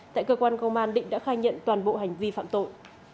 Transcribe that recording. tại cơ quan công an định đã khai nhận toàn bộ hành vi phạm tội